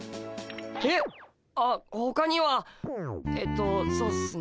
えっ？あほかにはえっとそうっすね